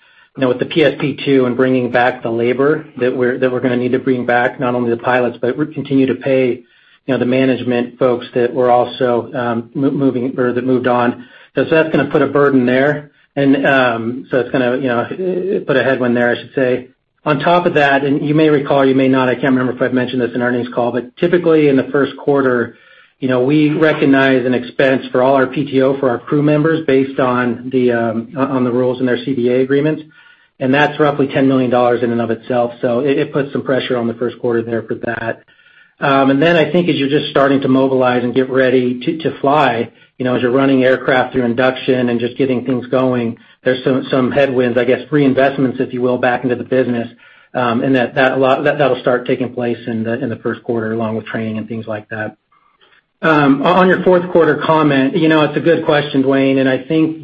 with the PSP2 and bringing back the labor that we're going to need to bring back not only the pilots, but we continue to pay the management folks that moved on. That's going to put a burden there. It's going to put a headwind there, I should say. On top of that, you may recall, you may not, I can't remember if I've mentioned this in our earnings call, but typically in the first quarter, we recognize an expense for all our PTO for our crew members based on the rules in their CBA agreements, and that's roughly $10 million in and of itself. It puts some pressure on the first quarter there for that. Then I think as you're just starting to mobilize and get ready to fly, as you're running aircraft through induction and just getting things going, there's some headwinds, I guess, reinvestments, if you will, back into the business. That'll start taking place in the first quarter, along with training and things like that. On your fourth quarter comment, it's a good question, Duane, and I think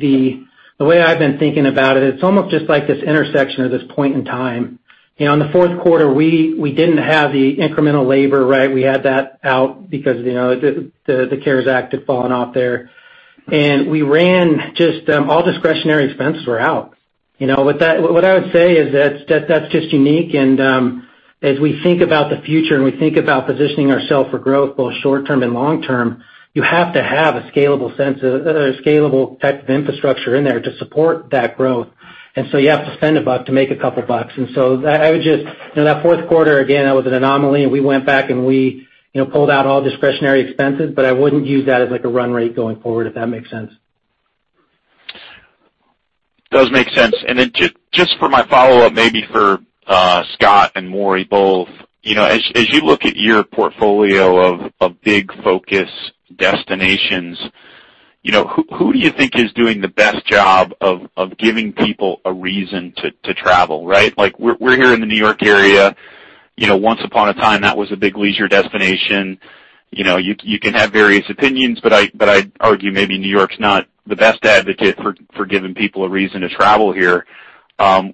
the way I've been thinking about it's almost just like this intersection or this point in time. In the fourth quarter, we didn't have the incremental labor. We had that out because the CARES Act had fallen off there. We ran just all discretionary expenses were out. What I would say is that's just unique, and as we think about the future and we think about positioning ourself for growth, both short term and long term, you have to have a scalable type of infrastructure in there to support that growth. So you have to spend a buck to make a couple of bucks. So that fourth quarter, again, that was an anomaly, and we went back, and we pulled out all discretionary expenses, but I wouldn't use that as like a run rate going forward, if that makes sense. Does make sense. Then just for my follow-up, maybe for Scott and Maurice both, as you look at your portfolio of big focus destinations, who do you think is doing the best job of giving people a reason to travel, right? We're here in the New York area. Once upon a time, that was a big leisure destination. You can have various opinions, but I'd argue maybe New York's not the best advocate for giving people a reason to travel here.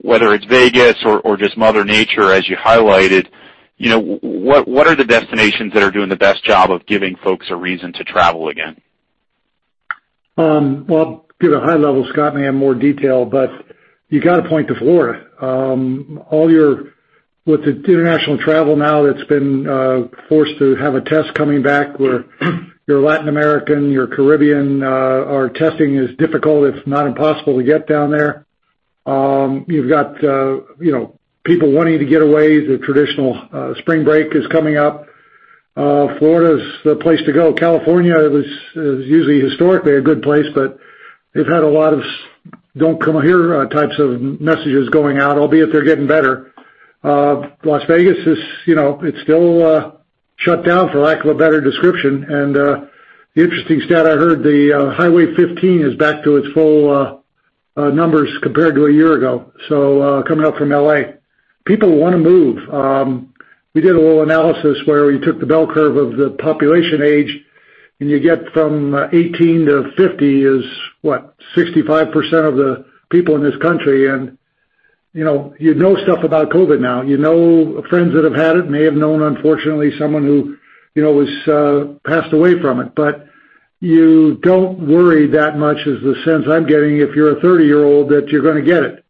Whether it's Vegas or just mother nature, as you highlighted, what are the destinations that are doing the best job of giving folks a reason to travel again? I'll give a high level. Scott may have more detail, but you got to point to Florida. With the international travel now that's been forced to have a test coming back where your Latin American, your Caribbean, our testing is difficult, if not impossible to get down there. You've got people wanting to get away. The traditional spring break is coming up. Florida's the place to go. California is usually historically a good place, but they've had a lot of "don't come here" types of messages going out, albeit they're getting better. Las Vegas is still shut down, for lack of a better description. An interesting stat I heard, the Highway 15 is back to its full numbers compared to a year ago, so coming up from L.A. People want to move. We did a little analysis where we took the bell curve of the population age, you get from 18 to 50 is, what, 65% of the people in this country. You'd know stuff about COVID now. You know friends that have had it, may have known, unfortunately, someone who has passed away from it. You don't worry that much, is the sense I'm getting, if you're a 30-year-old, that you're going to get it.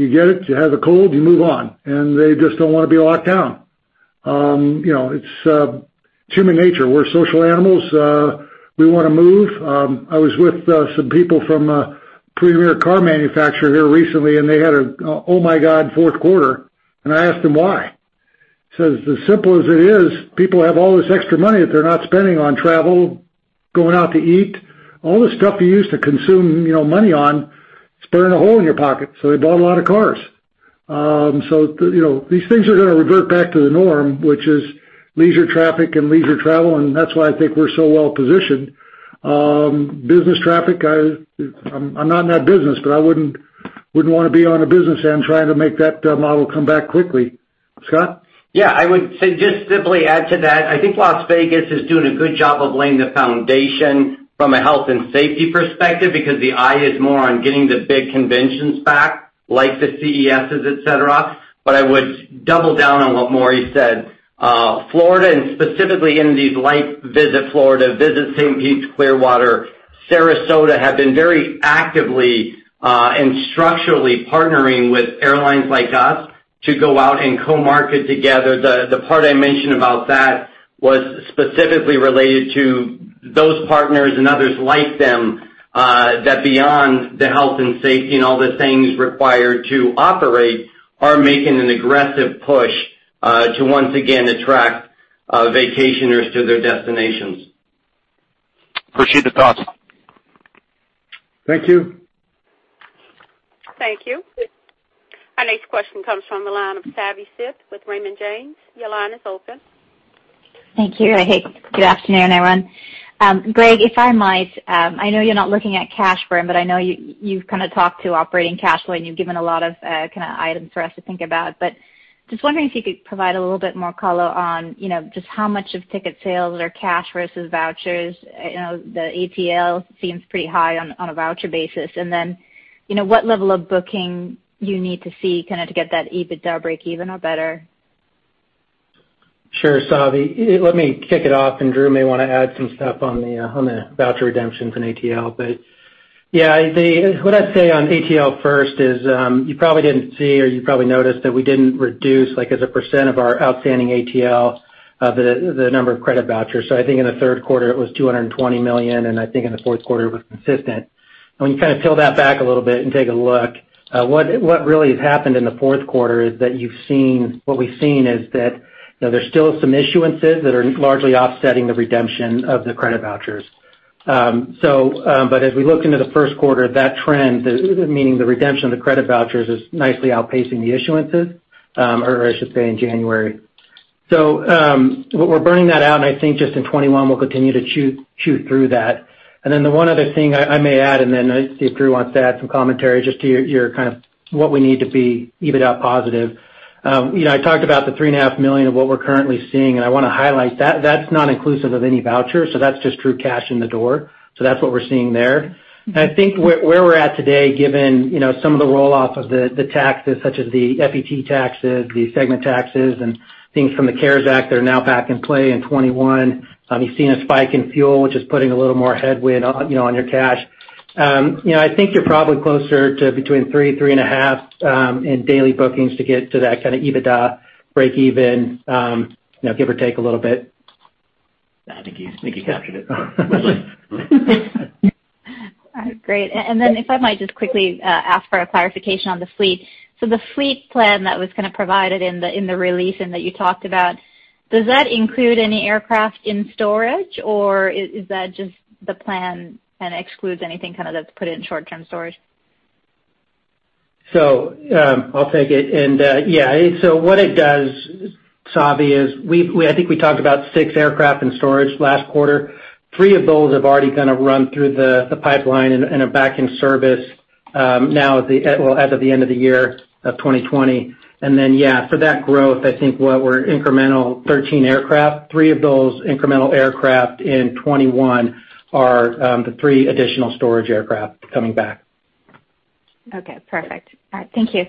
You get it, you have the cold, you move on. They just don't want to be locked down. It's human nature. We're social animals. We want to move. I was with some people from a premier car manufacturer here recently. They had a, oh my god, fourth quarter, and I asked them why. He says, "As simple as it is, people have all this extra money that they're not spending on travel, going out to eat, all the stuff you use to consume money on, it's burning a hole in your pocket." They bought a lot of cars. These things are going to revert back to the norm, which is leisure traffic and leisure travel, and that's why I think we're so well-positioned. Business traffic, I'm not in that business, but I wouldn't want to be on a business end trying to make that model come back quickly. Scott? I would say, just simply add to that, I think Las Vegas is doing a good job of laying the foundation from a health and safety perspective because the eye is more on getting the big conventions back, like the CESs, et cetera. I would double down on what Maurice said. Florida, and specifically in these Visit Florida, Visit St. Pete-Clearwater, Sarasota, have been very actively and structurally partnering with airlines like us to go out and co-market together. The part I mentioned about that was specifically related to those partners and others like them, that beyond the health and safety and all the things required to operate, are making an aggressive push to once again attract vacationers to their destinations. Appreciate the thoughts. Thank you. Thank you. Our next question comes from the line of Savanthi Syth with Raymond James. Thank you. Hey, good afternoon, everyone. Greg, if I might, I know you're not looking at cash burn, but I know you've kind of talked to operating cash flow and you've given a lot of kind of items for us to think about, but just wondering if you could provide a little bit more color on just how much of ticket sales are cash versus vouchers. The ATL seems pretty high on a voucher basis, and then what level of booking you need to see to get that EBITDA breakeven or better? Sure, Savi. Let me kick it off, and Drew may want to add some stuff on the voucher redemptions and ATL. Yeah, what I'd say on ATL first is, you probably didn't see or you probably noticed that we didn't reduce as a percent of our outstanding ATL, the number of credit vouchers. I think in the third quarter it was $220 million, and I think in the fourth quarter it was consistent. When you kind of peel that back a little bit and take a look, what really has happened in the fourth quarter is that what we've seen is that there's still some issuances that are largely offsetting the redemption of the credit vouchers. As we look into the first quarter, that trend, meaning the redemption of the credit vouchers, is nicely outpacing the issuances, or I should say in January. We're burning that out, and I think just in 2021, we'll continue to chew through that. The one other thing I may add, and then I see if Drew wants to add some commentary just to your kind of what we need to be EBITDA positive. I talked about the $3.5 million of what we're currently seeing, and I want to highlight that that's not inclusive of any vouchers, so that's just true cash in the door. That's what we're seeing there. I think where we're at today, given some of the roll-offs of the taxes such as the FET taxes, the segment taxes, and things from the CARES Act that are now back in play in 2021. You've seen a spike in fuel, which is putting a little more headwind on your cash. I think you're probably closer to between three and a half in daily bookings to get to that kind of EBITDA breakeven, give or take a little bit. I think you captured it. All right. Great. If I might just quickly ask for a clarification on the fleet. The fleet plan that was kind of provided in the release and that you talked about, does that include any aircraft in storage, or is that just the plan kind of excludes anything kind of that's put in short-term storage? I'll take it. What it does, Savi, is I think we talked about six aircraft in storage last quarter. Three of those have already kind of run through the pipeline and are back in service now as of the end of the year of 2020. For that growth, I think what we're incremental 13 aircraft, three of those incremental aircraft in 2021 are the three additional storage aircraft coming back. Okay. Perfect. All right. Thank you.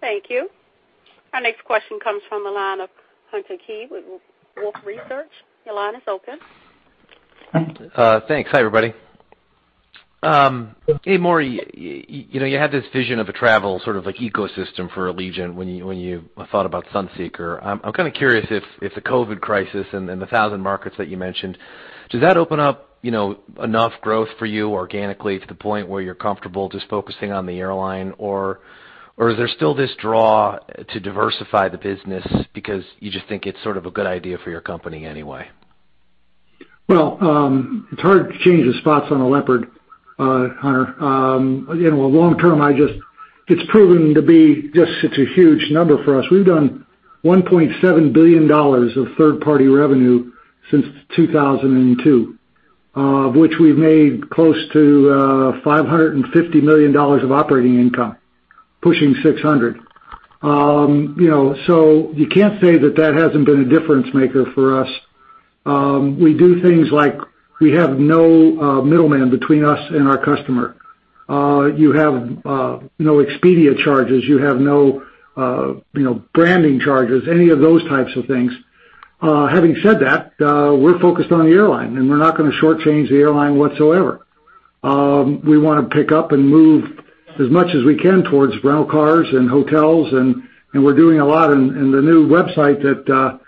Thank you. Our next question comes from the line of Hunter Keay with Wolfe Research. Thanks. Hi, everybody. Hey, Maurice, you had this vision of a travel sort of like ecosystem for Allegiant when you thought about Sunseeker. I'm kind of curious if the COVID crisis and the 1,000 markets that you mentioned, does that open up enough growth for you organically to the point where you're comfortable just focusing on the airline, or is there still this draw to diversify the business because you just think it's sort of a good idea for your company anyway? Well, it's hard to change the spots on a leopard, Hunter. Long term, it's proven to be just such a huge number for us. We've done $1.7 billion of third-party revenue since 2002, of which we've made close to $550 million of operating income, pushing $600. You can't say that that hasn't been a difference maker for us. We do things like we have no middleman between us and our customer. You have no Expedia charges. You have no branding charges, any of those types of things. Having said that, we're focused on the airline, and we're not going to shortchange the airline whatsoever. We want to pick up and move as much as we can towards rental cars and hotels, and we're doing a lot in the new website that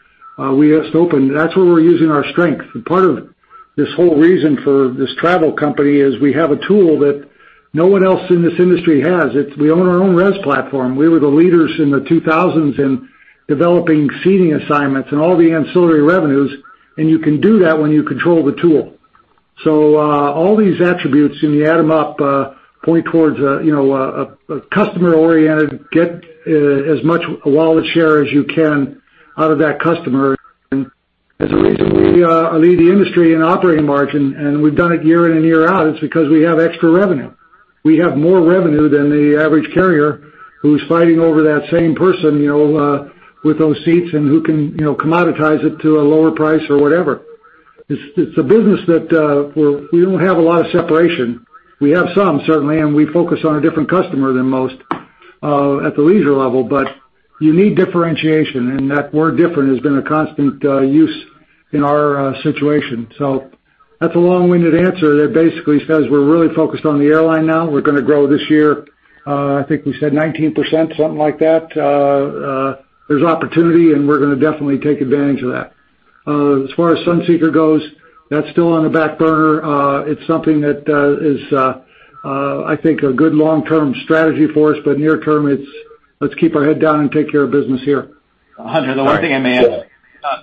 we just opened. That's where we're using our strength. Part of this whole reason for this travel company is we have a tool that no one else in this industry has. We own our own res platform. We were the leaders in the 2000s in developing seating assignments and all the ancillary revenues. You can do that when you control the tool. All these attributes, when you add them up, point towards a customer-oriented, get as much wallet share as you can out of that customer. There's a reason we lead the industry in operating margin, and we've done it year in and year out. It's because we have extra revenue. We have more revenue than the average carrier who's fighting over that same person with those seats and who can commoditize it to a lower price or whatever. It's a business that we don't have a lot of separation. We have some certainly, and we focus on a different customer than most at the leisure level. You need differentiation, and that we're different has been a constant use in our situation. That's a long-winded answer that basically says we're really focused on the airline now. We're going to grow this year, I think we said 19%, something like that. There's opportunity, and we're going to definitely take advantage of that. As far as Sunseeker goes, that's still on the back burner. It's something that is, I think, a good long-term strategy for us, but near term, let's keep our head down and take care of business here. Hunter, the one thing I may add,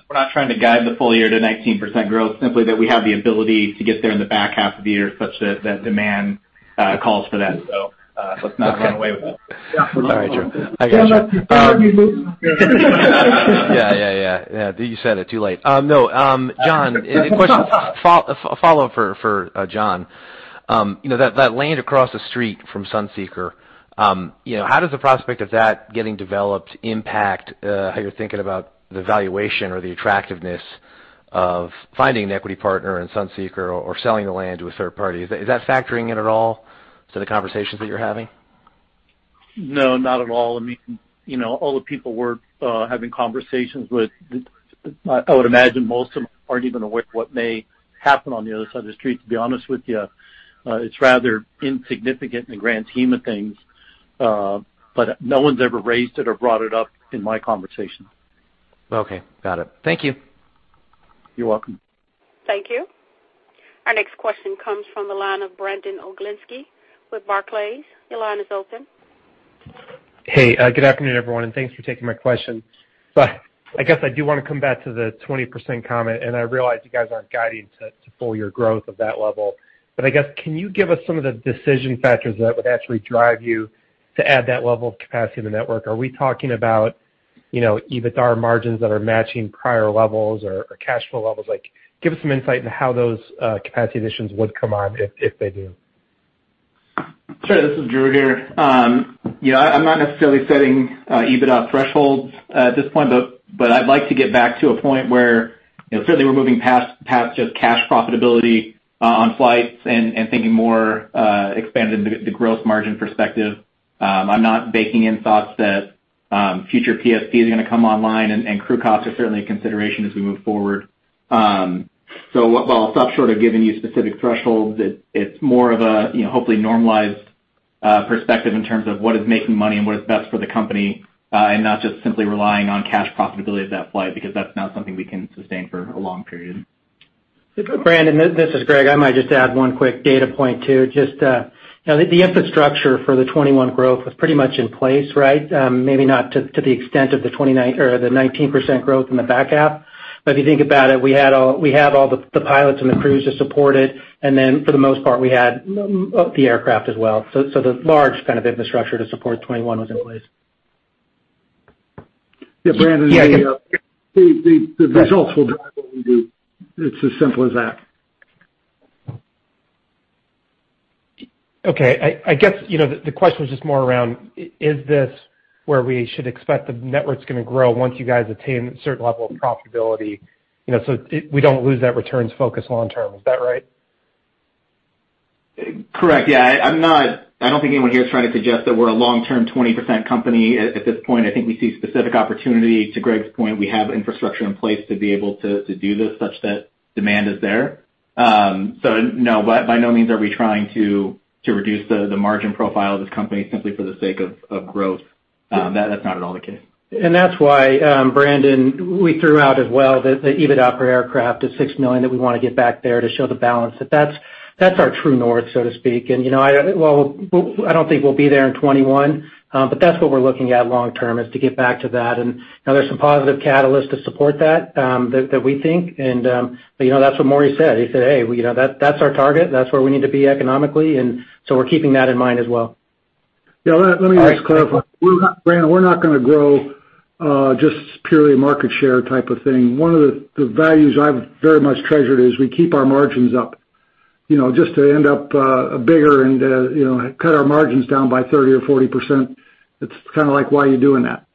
we're not trying to guide the full year to 19% growth, simply that we have the ability to get there in the back half of the year such that demand calls for that. Let's not run away with that. Yeah. All right, Drew. I got you. Don't let your guard be loose. You said it, too late. John, a follow-up for John. That land across the street from Sunseeker, how does the prospect of that getting developed impact how you're thinking about the valuation or the attractiveness of finding an equity partner in Sunseeker or selling the land to a third party? Is that factoring in at all to the conversations that you're having? No, not at all. All the people we're having conversations with, I would imagine most of them aren't even aware what may happen on the other side of the street, to be honest with you. It's rather insignificant in the grand scheme of things. No one's ever raised it or brought it up in my conversation. Okay. Got it. Thank you. You're welcome. Thank you. Our next question comes from the line of Brandon Oglenski with Barclays. Your line is open. Hey, good afternoon, everyone, and thanks for taking my question. I guess I do want to come back to the 20% comment, and I realize you guys aren't guiding to full year growth of that level. I guess can you give us some of the decision factors that would actually drive you to add that level of capacity in the network? Are we talking about EBITDA margins that are matching prior levels or cash flow levels? Give us some insight into how those capacity additions would come on, if they do. Sure. This is Drew here. I'm not necessarily setting EBITDA thresholds at this point, but I'd like to get back to a point where certainly we're moving past just cash profitability on flights and thinking more expanded into the growth margin perspective. I'm not baking in thoughts that future PSP is going to come online, and crew costs are certainly a consideration as we move forward. While I'll stop short of giving you specific thresholds, it's more of a, hopefully, normalized perspective in terms of what is making money and what is best for the company, and not just simply relying on cash profitability of that flight, because that's not something we can sustain for a long period. Brandon, this is Greg. I might just add one quick data point, too. Just the infrastructure for the 2021 growth was pretty much in place, right? Maybe not to the extent of the 19% growth in the back half. If you think about it, we have all the pilots and the crews to support it, and then for the most part, we had the aircraft as well. The large kind of infrastructure to support 2021 was in place. Yeah, Brandon- Yeah. The results will drive what we do. It's as simple as that. Okay. I guess the question was just more around, is this where we should expect the network's going to grow once you guys attain a certain level of profitability? We don't lose that returns focus long term. Is that right? Correct. Yeah. I don't think anyone here is trying to suggest that we're a long-term 20% company at this point. I think we see specific opportunity. To Greg's point, we have infrastructure in place to be able to do this such that demand is there. No, by no means are we trying to reduce the margin profile of this company simply for the sake of growth. That's not at all the case. That's why, Brandon, we threw out as well that the EBITDA per aircraft is $6 million, that we want to get back there to show the balance, that that's our true north, so to speak. I don't think we'll be there in 2021, but that's what we're looking at long term, is to get back to that. There's some positive catalyst to support that we think. That's what Maurice said. He said, "Hey, that's our target. That's where we need to be economically." So we're keeping that in mind as well. Yeah, let me just clarify. Brandon, we're not going to grow just purely market share type of thing. One of the values I've very much treasured is we keep our margins up. Just to end up bigger and cut our margins down by 30% or 40%, it's kind of like, why are you doing that?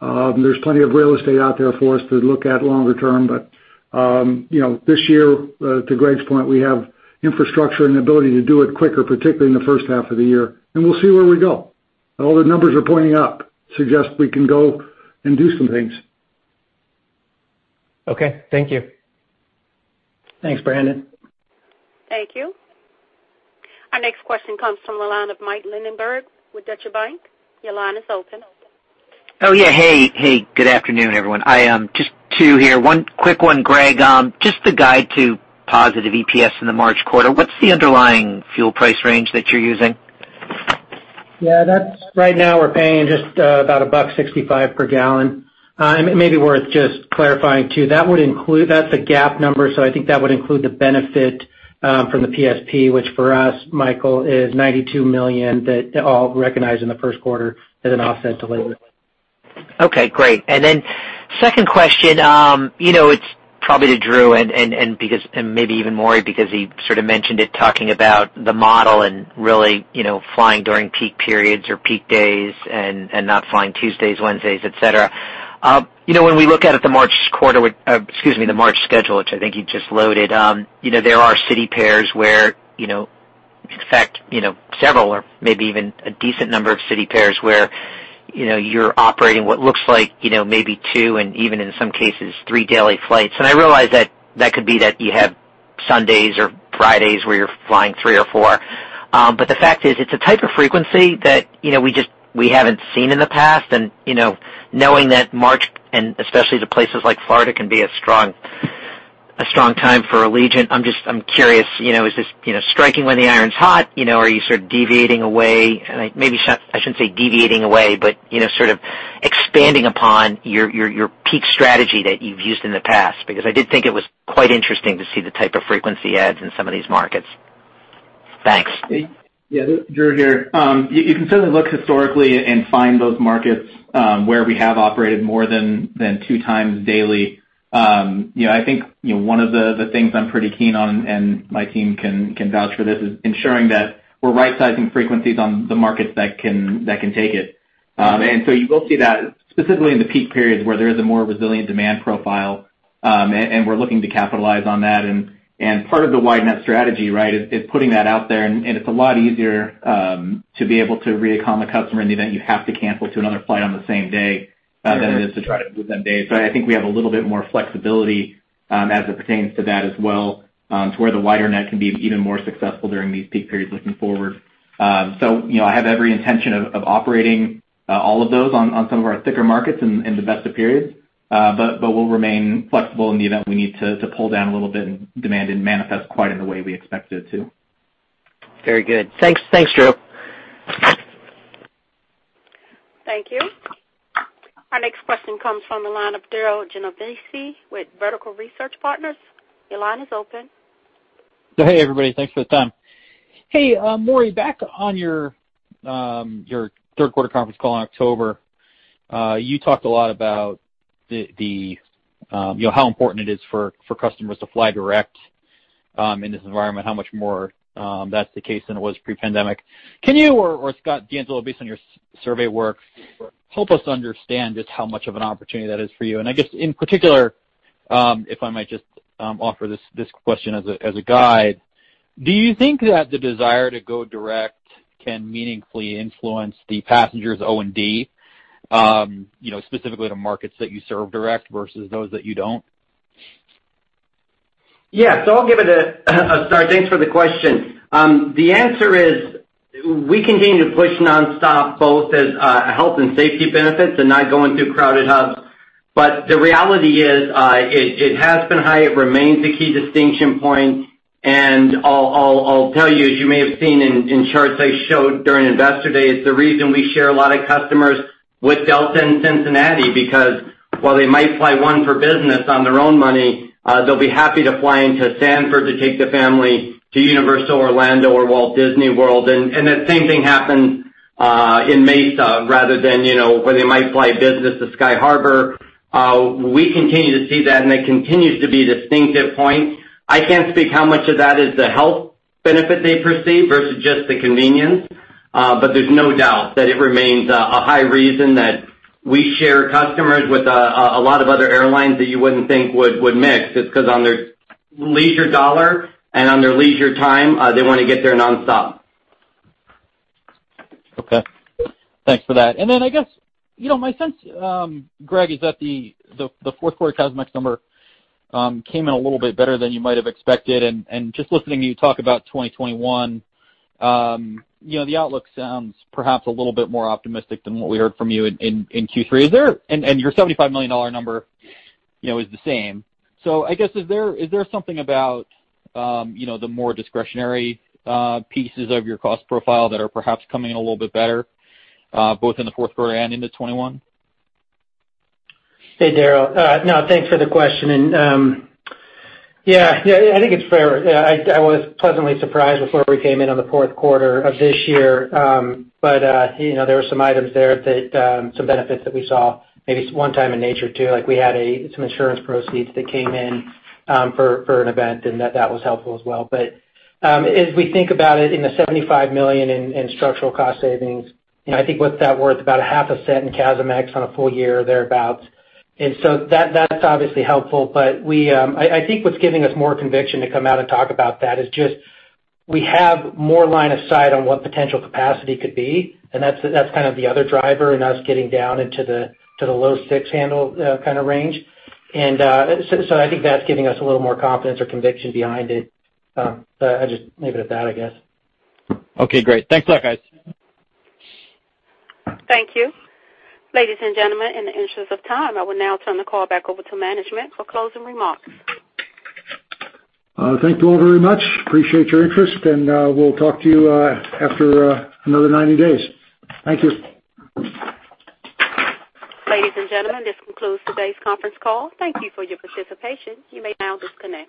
There's plenty of real estate out there for us to look at longer term. This year, to Greg's point, we have infrastructure and the ability to do it quicker, particularly in the first half of the year, and we'll see where we go. All the numbers are pointing up, suggest we can go and do some things. Okay, thank you. Thanks, Brandon. Thank you. Our next question comes from the line of Mike Linenberg with Deutsche Bank. Your line is open. Oh, yeah. Hey. Good afternoon, everyone. Just two here. One quick one, Greg. Just to guide to positive EPS in the March quarter, what's the underlying fuel price range that you're using? Right now we're paying just about $1.65 per gallon. It may be worth just clarifying too, that's a GAAP number, so I think that would include the benefit from the PSP, which for us, Mike, is $92 million that all recognized in the first quarter as an offset to labor. Okay, great. Second question, it's probably to Drew and maybe even Maurice, because he sort of mentioned it, talking about the model and really flying during peak periods or peak days and not flying Tuesdays, Wednesdays, et cetera. When we look out at the March schedule, which I think you just loaded, there are city pairs where, in fact, several or maybe even a decent number of city pairs where you're operating what looks like maybe two, and even in some cases, three daily flights. I realize that that could be that you have Sundays or Fridays where you're flying three or four. The fact is, it's a type of frequency that we haven't seen in the past. Knowing that March, and especially to places like Florida, can be a strong time for Allegiant, I'm curious, is this striking when the iron's hot? Are you sort of deviating away, maybe I shouldn't say deviating away, but sort of expanding upon your peak strategy that you've used in the past? I did think it was quite interesting to see the type of frequency adds in some of these markets. Thanks. Yeah, Drew here. You can certainly look historically and find those markets where we have operated more than two times daily. I think one of the things I'm pretty keen on, and my team can vouch for this, is ensuring that we're right-sizing frequencies on the markets that can take it. You will see that specifically in the peak periods where there is a more resilient demand profile, and we're looking to capitalize on that. Part of the wide net strategy is putting that out there, and it's a lot easier to be able to re-accom a customer in the event you have to cancel to another flight on the same day than it is to try to move them days. I think we have a little bit more flexibility as it pertains to that as well, to where the wider net can be even more successful during these peak periods looking forward. I have every intention of operating all of those on some of our thicker markets in the best of periods. We'll remain flexible in the event we need to pull down a little bit in demand and manifest quite in the way we expect it to. Very good. Thanks, Drew. Thank you. Our next question comes from the line of Darryl Genovesi with Vertical Research Partners. Your line is open. Hey, everybody. Thanks for the time. Hey, Maurice, back on your third quarter conference call in October, you talked a lot about how important it is for customers to fly direct in this environment, how much more that's the case than it was pre-pandemic. Can you or Scott DeAngelo, based on your survey work, help us understand just how much of an opportunity that is for you? I guess in particular, if I might just offer this question as a guide, do you think that the desire to go direct can meaningfully influence the passengers O&D, specifically the markets that you serve direct versus those that you don't? I'll give it a start. Thanks for the question. The answer is, we continue to push nonstop both as health and safety benefits and not going through crowded hubs. The reality is, it has been high. It remains a key distinction point, and I'll tell you, as you may have seen in charts I showed during Investor Day, it's the reason we share a lot of customers with Delta and Cincinnati, because while they might fly one for business on their own money, they'll be happy to fly into Sanford to take the family to Universal Orlando or Walt Disney World. The same thing happens in Mesa rather than where they might fly business to Sky Harbor. We continue to see that, and it continues to be a distinctive point. I can't speak how much of that is the health benefit they perceive versus just the convenience, but there's no doubt that it remains a high reason that we share customers with a lot of other airlines that you wouldn't think would mix, just because on their leisure dollar and on their leisure time, they want to get there nonstop. Okay. Thanks for that. Then, I guess my sense, Greg, is that the fourth quarter CASM-ex number came in a little bit better than you might have expected. Just listening to you talk about 2021, the outlook sounds perhaps a little bit more optimistic than what we heard from you in Q3. Your $75 million number is the same. I guess, is there something about the more discretionary pieces of your cost profile that are perhaps coming in a little bit better both in the fourth quarter and into 2021? Hey, Darryl. No, thanks for the question. Yeah, I think it's fair. I was pleasantly surprised with where we came in on the fourth quarter of this year. There were some items there, some benefits that we saw maybe one time in nature too. We had some insurance proceeds that came in for an event, and that was helpful as well. As we think about it, in the $75 million in structural cost savings, I think what's that worth? About $0.005 in CASM-ex on a full year or thereabout. That's obviously helpful, but I think what's giving us more conviction to come out and talk about that is just we have more line of sight on what potential capacity could be, and that's kind of the other driver in us getting down into the low six handle kind of range. I think that's giving us a little more confidence or conviction behind it. I'd just leave it at that, I guess. Okay, great. Thanks a lot, guys. Thank you. Ladies and gentlemen, in the interest of time, I will now turn the call back over to management for closing remarks. Thank you all very much. Appreciate your interest, and we'll talk to you after another 90 days. Thank you. Ladies and gentlemen, this concludes today's conference call. Thank you for your participation. You may now disconnect.